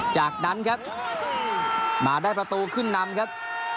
จากนั้นครับมาได้ประตูขึ้นนำครับ